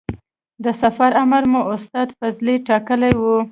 د سفر امر مو استاد فضلي ټاکلی و.